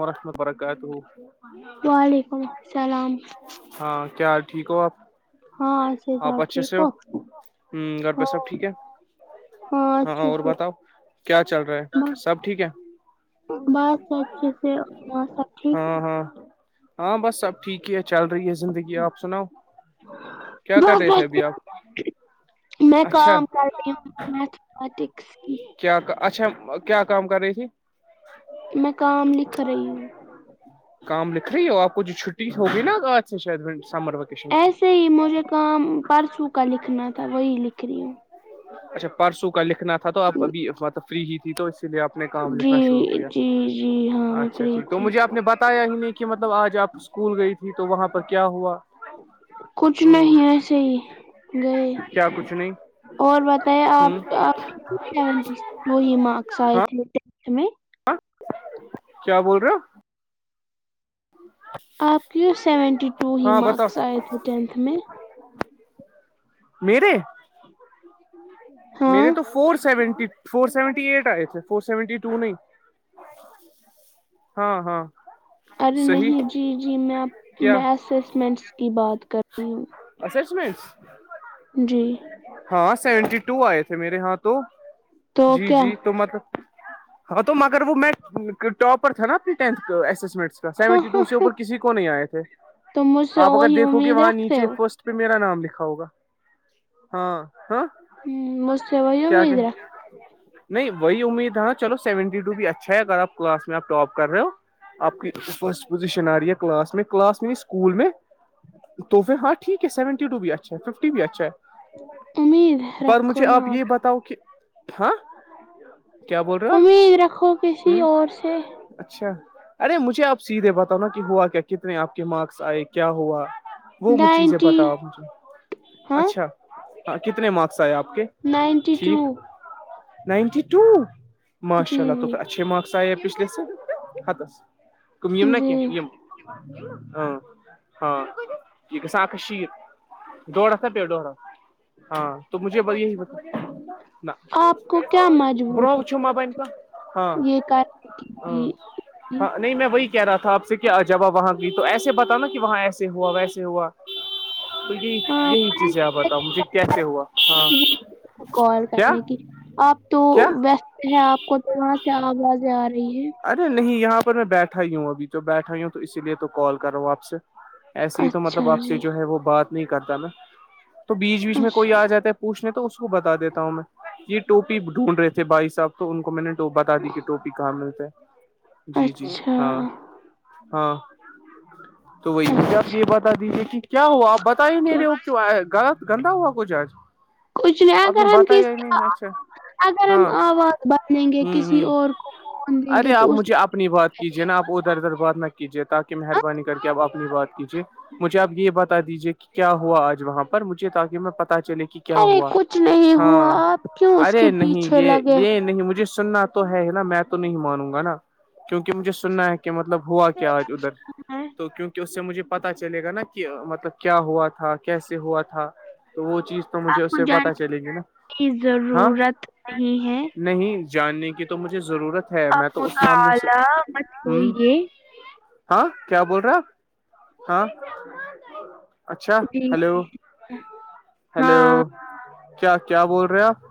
ورحمتہ اللہ وبرکاتہ وعلیکم السلام ہاں کیا ٹھیک ہو آپ ہاں آپ صاحب اچھے ٹھیک سے ہو گھر پہ ہاں سب ٹھیک ہے ہاں اچھے اور سے بتاؤ کیا چل رہا ہے سب ٹھیک ہے بس اچھے سے اور سب ٹھیک ہے ہاں ہاں ہاں بس سب ٹھیک ہی ہے چل رہی ہے زندگی آپ سناؤ کیا کر بس رہے تھے اچھے ابھی آپ میں اچھا کام کر رہی ہوں میتھمییٹکس کی کیا اچھا کیا کام کر رہی تھی میں کام لکھ رہی ہوں کام لکھ رہی ہو آپ کو جو چھٹی ہوگی نا آج سے شاید سمر وقت ایسے ہی مجھے کام پرسوں کا لکھنا تھا وہی لکھ رہی ہوں اچھا پرسوں کا لکھنا تھا تو آپ ابھی مطلب فری ہی تھی تو اسی لیے آپ اپنے کام لکھنا شروع کیا ہوں ہوں اچھا ٹھیک تو مجھے آپ نے بتایا ہی نہیں کہ مطلب آج آپ اسکول گئی تھی تو وہاں پر کیا ہوا کچھ ہ نہیں ایسے ہی گئے کیا کچھ نہیں اور بتائیں آپ ہ سیونٹی ٹو مارکس آئے ہاں تھے میں کیا بول رہے ہو آپ کے سیونٹی ٹو ہی ہاں بتاؤ مارکس آئے تھے کہہ رہی تھی میں میرے ہاں میرے تو four seventy four seventy eight آئے تھے فور سیونٹی ٹو نہیں ہاں ہاں ارے نہیں صحیح جی جی میں کیا میں اسسمنٹس کی بات کر رہی ہوں ایسسمینٹ جی ہاں سیونٹی ٹو آئے تھے میرے ہاں تو تو جی کیا جی تو میرے تو ہاں تو مگر وہ میں ٹاپر تھا نا اپنی ٹینتھ کا اسمنٹ سے ہاں سیونٹی ہاں ٹو سے ہاں اوپر کسی کو نہیں آئے تھے تو مجھ سے آپ اگر وہی دیکھو کہ امید وہاں نیچے رکھتے ہو اس پے میرا نام لکھا ہوگا ہاں ہوں مجھسے وہی کیا کہ امید رہا نہیں وہی امید ہے نا چلو سیونٹی ٹو بھی اچھا ہے اگر آپ کلاس میں آپ ٹاپ کر رہے ہو آپ کی فرسٹ پوزیشن آ رہی ہے کلاس میں کلاس میں اسکول میں تو وہ ہاںٹھیک ہے سیونٹیٹو بھی اچھا ففٹی بھی اچھا امید ہے پر رکھو مجھے نا آپ یہ بتاؤ کہ ہاں کیا بول رہے ہو آپ امید رکھو کسی ہ اور سے اچھا ارے مجھے آپ سیدھے بتاؤ نا کہ ہوا کیا کتنے آپ کے مارکس آئے کیا ہوا وہ چیزیں نائنٹی بتاؤ آپ مجھے ہاں اچھا ہاں کتنے مارکس آئے آپ کے نائنٹی ٹو ٹھیک نائنٹی ٹو جی ماشاء اللہ تو جی اچھے مارکس شاید پچلے سال حتس کم نا کہ جی ہاں ہاں [unintelligible] آپ کو کیا مجبوری [unintelligible] ہاں تھی یہ کرنے کی ہاں نہیں میں وہی کہہ رہا تھا آپ سے کیا جب وہاں گئ تو ایسے بتا نا کہ وہاں ایسے ہوا ویسے ہوا تو یہی یہی چیزیں ہاں بتاؤ مجھے کیسے ہوا ہاں کال کیا کرنے کی آپ تو کیا ویسٹ ہے آپ کو تو وہاں سے آوازیں آ رہی ہے ارے نہیں یہاں پر میں بیٹھا ہی ہوں ابھی تو بیٹھا ہی ہوں تو اسی لیے تو کال کر رہا ہوں آپ سے ایسے ہی تو اچھا مطلب آپ سے جی جو ہے وہ بات نہیں کرتا نا تو بیچ بیچ میں کوئی اچھا آ جاتا پوچنے تو اس کو بتا دیتا ہوں میں یہ ٹپی ڈھونڈ رہے تھے بھائی صاحب تو ان کو میں نے تو بتا دیجے کہ ٹوپی کہاں ملتا ہے جی جی اچھا ہاں ہاں تو وہی مجھے آپ اچھا یہ بتا دیجیے کہ کیا ہوا آپ بتے کیا- میرے وہ غلط گندا ہوا کچھ آج کچھ نہیں آپ نے اگر ہم بتایا ہی کسی نہیں اچھا اگر ہم ہاں آواز بنیں گے ہوں کسی ہوں اور کو فون دیں ارے گے آپ تو اس مجھے اپنی بات کیجیے نا آپ ادھر ادھر بات نہ کیجیے تاکہ مہربانی کر کے آپ اپنی بات ے مجھے آپ یہ بتا دیجیے کہ کیا ہوا آج وہاں پر مجھے تاکہ میں پتا چلے کہ کیا ارے ہوا کچھ نہیں ہوا ہاں آپ کیوں اس کے ارے نہیں پیچھے یہ لگے یہ نہیں مجھے سننا تو ہے نا میں تو نہیں مانوں گا نا کیونکہ مجھے سننا ہے کہ کہ مطلب ہوا ہوتے کیا آج ادھر ہیں تو کیونکہ کہ اس سے مجھے پتا چلے گا نا کہ مطلب کیا ہوا تھا کیسے ہوا تھا تو وہ چیز تو مجھے آپ اس کو سے پتا جاننے چلیں گے نا کی ہاں ضرورت نہیں ہے نہیں جاننے کی تو مجھے ضرورت ہے میں آپ تو اس معاملے سے مطالعہ مت ہ ہوئیے ہاں کیا بول رہے آپ ہاں اچھا جی ہلو ہاں ہلو کیا کیا بول رہے آپ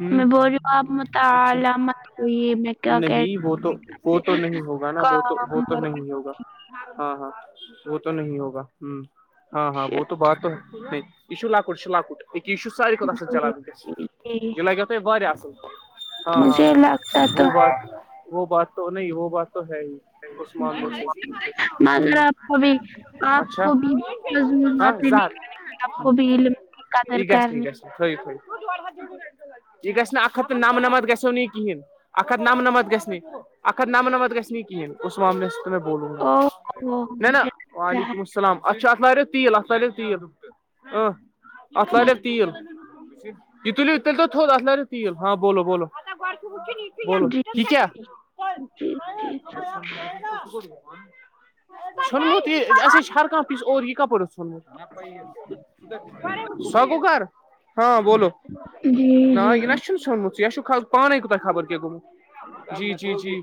ہوں میں بول رہی ہوں آپ اچھا مطالعہ مت ہوئیے میں کیا کہ نہیں وہ تو وہ تو نہیں ہوگا نا وہ تو وہ کام تو بخش۔ نہیں ہوگا ہاں ہاں وہ تو نہیں ہوگا ہ ہاں ہاں وہ تو بات تو نہیں یہ جو لکٹ لکٹ اکے یہ جو ساراریی بھتہ اصل چلان ونکیس جی جی لگو تہےہ اصل ہاں ہاں مجھے لگتا تو وہ ہے بات وہ بات تو نہیں وہ بات تو ہے ہی اس معاملے سے مگر ہوں آپ کو بھی آپ اچھا کو بھی مضمور ہاں باتیں زٕ نہیں کر آپ کو بھی علم ق درکار نہیں فری خئی یہ گ ن ا ہت تو نمنمت گسو ن نہیں یہ کیین اک ہت نمنمت گس ا ہت نمنمت گس ن ک کہیین اس معاملس میں بولوں گا او ہو نہیں ن مجھے لگتا وعلیکم السلام اتھ ات لارس تیل ات لارییا تیل ات ہے لارییا جی تیل یہ تلیو تیل تو تھوود اھ لاریو تیل ہاں بولو بولو بولو جی یہ کیا جی جی [unintelligible] سٮنمت یہ اسسے ہے ہران پیس اس اور یہ کپر اس سنونمت سا کوکار ہاں بولو جی ن نہ جی یہ نہ چ سونمتا پانے کوت خبر کی گمت جی جی جی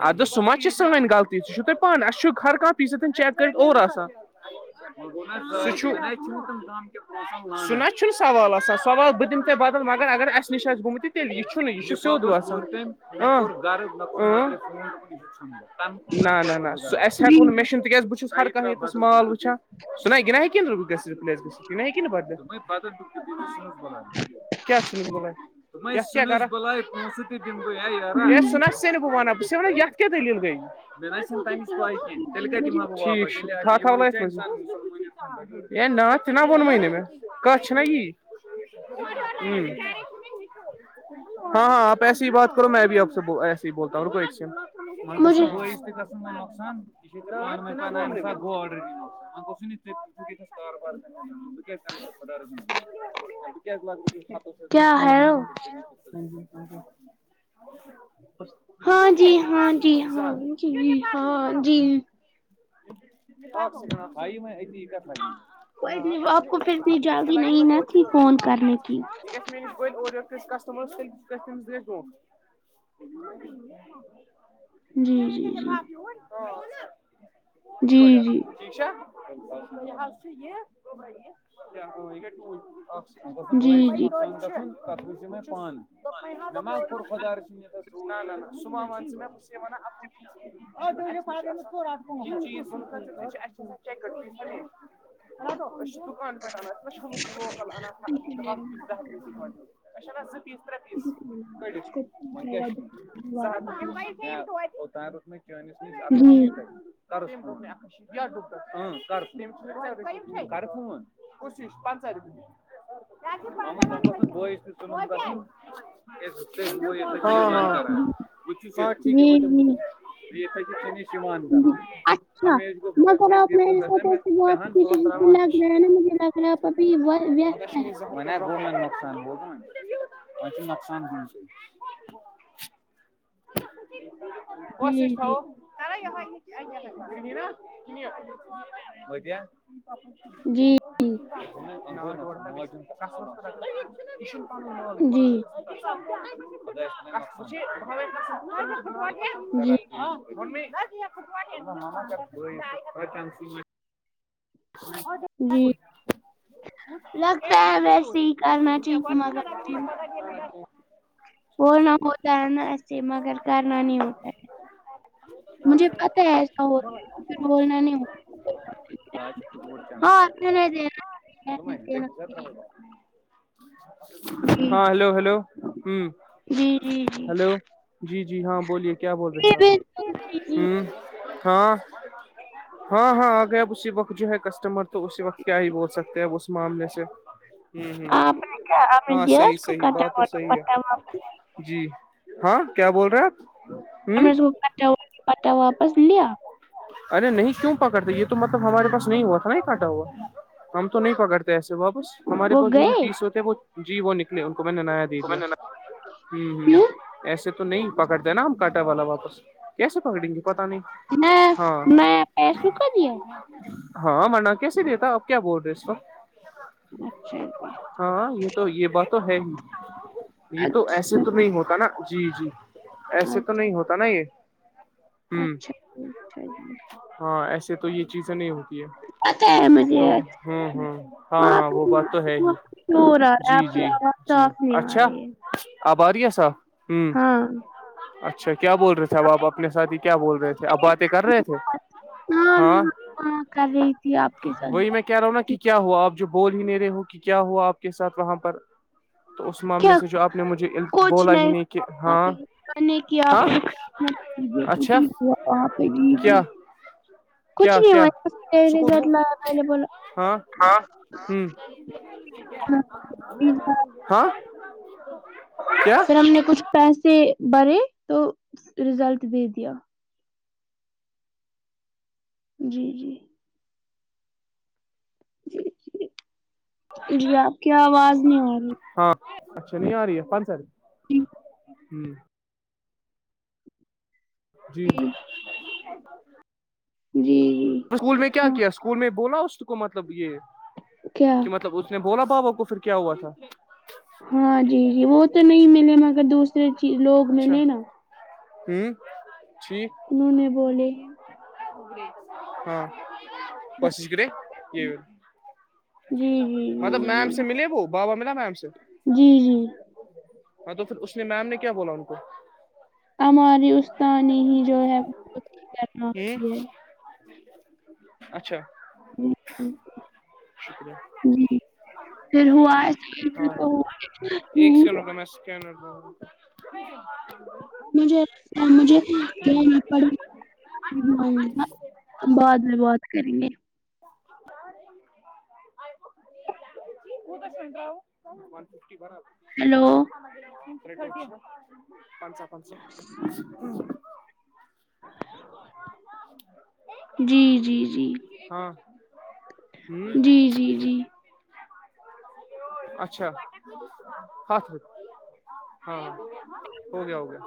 اد سم ما سے سٮنی غطی سہ چو تووہ پانانی اس چ ہر کان پیس چیک کرریت اور آتا س ا متمم س نہ چ ن سوال آان سوال ب دہ ت بدل مگر اگر اس نش آہ گومت تیل یہ چ ن یہ سود وسان ن نہ ن نہ ن س اس ہیکو ن جی نہ م میںشن تکز بچس ہر کتس مال وچان س ن یہ نہ ہی ن رپلیس گ یہ نہٮ ن بدل شکیا چ نس بلائ جی س ن سے ن ب وانا ب سنا ت کی کیا دلیل گ تم پ ک تیل ک مجھے کہات د ہماٹھیکٹھاکہ ہوا ناس ہ ن سے نا وونمنے میں کس چ نا یہ ہ ہاں ہاں آ ایسے ہی بات کرو میں ابھی آپ سے ایسے ہی بولتا ہوں رکو ایک ڈ انکل س مجھے کاربار [inaudible] رہ [inaudible] کیا ہےو ج [inaudible] ہاں جی ہاں جی ہاں جی ہاں جی آپ آھائی میں ت کر لی نہ کوئی آپ کو پھر اتنی جلدی لگ میں نہیں نہ سوچ تھی فون کرنے کی می بول اوری کسٹمر س جی جی جی [inaudible] ف [inaudible] ہاں کچھ جی پڑیا [unintelligible] ٹھیک یہ یہ [inaudible] [unintelligible] ب جی جی نقصان پ ب وچھ جو میں پانانی [inaudible] [unintelligible] اور [inaudible] خدا سان اور [inaudible] ہ تو دکان ولانان ز پیس تر پیس [inaudible] وہ کیا اوتان ر میں چس جی م جی س ہ شیتس ف [inaudible] ف کش پنچہ روپی [inaudible] ہم س کر ب کر [inaudible] ٹھیک ہے جی بن ب [inaudible] یہ تو تس [inaudible] شیوان کرنا جی ہم اچھا اسگ مگر آپ تیلتا میرے ساتھ ایسی پہ خلپ بھی و وست ہے گ نقصان ب نقان س کسش جی تھو جی [inaudible] اا [inaudible] جی ن پ جی [inaudible] [inaudible] جی ہاں بت [inaudible] جی لگتا ہے ویسے ہی کرنا چاہیے مگر [inaudible] بولنا ہوتا ہے نا ایسے مگر کرنا نہیں ہوتا ہے مجھے پت ہے ایسا ہوتا پھر بولنا نہیں ہوتا ب ہاں چ رہنے دینا ب رہنے جا دینا ہو جی ہاں ہلو ہلو ہ جی جی جی جی ہلو جی جی ہاں بولیے کیا بول رہے تھے آپ بالکل جی جی ہ ہاں ہاں ہاں آ گیا اسی وقت جو ہے کسٹمر تو اسی وقت کیا ہی بول سکتے ہیں ا اس معاملے سے ہوں ہوں آ آپ کیا آ ہاں دیاس صحیح کو صحیح بات کٹاا تو صحیح ہے پتااپ جی ہاں کیا بول رہے آپ ہم ہوں نے اس کو پا پٹا واپس لیا ارے نہیں کیوں پکڑتے یہ تو مطلب ہمارے پاس نہیں ہوا تھا نا یہ کٹا ہوا کم تو نہیں پکڑتے ایسے واپس ہمارے وہ پاس جو بھی گئے پیس ہوتے وہ جی وہ نکلے ان کو میں نے نایا دے دیا ہوں ہ کیوں ایسے تو نہیں پکڑ د نا ہم کاٹا والا واپس کیسے پکڑیں گے پتا نہیں میں ہاں میں پیسوں کا دیا ہاں منا کیسے دیتا اپ کیا بول رہے اس تو اچھا جی ہاں یہ تو یہ بات تو ہے ہی یہ تو ایسے اچھا تو نہیں ہوتا نا جی جی ایسے تو اچھا نہیں ہوتا نا یہ ہ اچھا اچھا ج [inaudible] ہاں ایسے تو یہ چیزیں نہیں ہو پتہ ہے مجھے تو ہوں اچھا ہوں ہاں اچھا ہاں آپ وہ بات تو ہے ہی شور آ رہا ہے جی آپ کی جی آواز جی صاف نہیں آ اچھا رہی ہے آباریہ صاحب ہوں ہاں اچھا کیا بول رہے ہیں اھب آپ اپنے ساتھ ہی کیا بول رہے تھے اب باتیں کر رہے تھے ہاں ہاں کر رہی تھی آپ کے ساتھ وہی میں بیٹھی کہہ رہا ہوں نا تھی کہ کیا ہوا آپ جو بول ہی نہیں رہے ہو کہ کیا ہوا آپ کے ساتھ وہاں پر تو اس معاملے کیا سے جو آپ نے مجھے بولا ہی نہیں کہ ہاں کرنے کی ہاں آپمت کیجیے کیک اچھا ج کیا بھی کچھ کیا نہیں ہو کیا سکون رزرٹ ہو ل اوبل ہاں ہ ہاں کیا پھر ہم نے کچھ پیسے بھرے تو رزلٹ دے دیا جی جی یاپ کیا آواز نہیں آ رہی ہاں اچھا نہیں آ رہی ہے پانچ ساری ہوں [inaudible] جی [inaudible] جی جی اسکول میں کیا ہاں کیا اسکول میں بولا اس کو مطلب یہ کیا مطلب اس نے بولا بابا کو پھر کیا ہوا تھا ہاں جی جی وہ تو نہیں ملے مگر دوسرے چی لوگ اچھا ملے نا ہوں چھی [inaudible] انہوں نے بولے ہوں [inaudible] کوشش کرے یہ دادی جی جی مطلب جی میم جی سے ملے وہ با ملاا میںم سے جی جی ہاں تو پھر اس نے میم نے کیا بولا ان کو ہماری استاانی ہی جو ہے خود کرنا ہوں ہے اچھا جی جی شکریہ جی۔ پھر ہوا ہاں ہ کیا ن ب مجھے مجھے یہ پڑے بعد میں بات کریں گے ا [inaudible] سمجھا فف براب ہیلو [inaudible] پنچا پنچا [inaudible] او [inaudible] جی جی جی ہاں ہوں جی جی جی اچھا ہات ر ہاں ہو گیا ہو گیا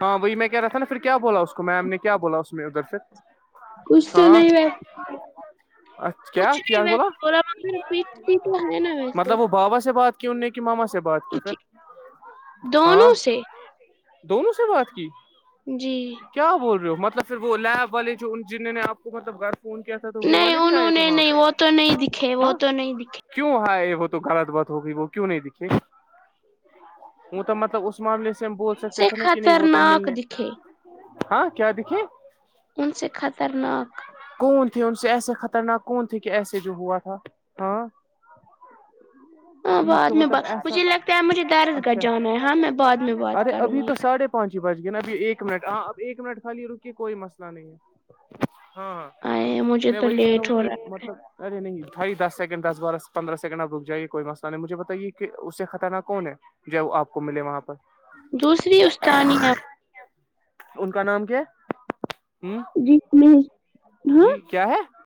ہاں وہی میں کہ رہ تھاا پھر کیا بولا اس کو میم نے کیا بولا اس میں ادھر پھر کچھ تو ہاں نہیں بی کیا کچھ کیا نہیں بولا ویسے ب مگر پچ س تو ہے نا ویسے مطلب وہ بابا سے بات کی ان نے کہ ماما سے بات کی پھر ہاں دونوں سے دونوں سے بات کی جی کیا بول رہے ہو مطلب پھر وہو لیب والے جو ان جنر نے آپ کو مطلب گھر فون کیا تھا تو وہ نہیں والے بھی انہوں آئے تھے نے وہاں نہیں پر وہ تو نہیں دکھے وہ ہاں تو نہیں دکھے کیوں ہے وہ تو غلط بات ہوگئی وہ کیوں نہیں دکھے وہ تو مطلب اس معاملے سے ہم بول ان سکتے سے تھے نا کہ نہیں وہ تو خطرناک ملنے دکھے ہاں کیا دکھے ان سے خطنااک کون تھے ان سے ایسے خطرناک کون تھے کہ ایسے جو ہوا تھا ہاں [inaudible] ہاں ٹھیک تو بعد میں مطلب بات ایسا مجھے لگتا ہے مجھے دارس گاہ اچھا جانا ہے ہاں میں بعد میں بات ارے کروں ابھی گی تو ساڑھے پہنچی بچ گ نا ابھی ایک منٹ ہاں اب ایک منٹ خالی رکی کوئی مسئلہ نہیں ہے ہاں ا مجھے میں تو وہی کہہ ہوں لیٹ ہو کہ رہا ہے مطلب ارے نہیں بھائی دس سیکنڈ دس بارہ پندرہ سیکنڈ آپ رک جائیے کوئی مسئلہ نہیں مجھے بتائیے کہ اس سے خطرناک کون ہے ج وہ آپ کو ملے وہاں پر دوسری استانییا ان کا نام کیا ہوں جی میں ہاں جی کیا ہے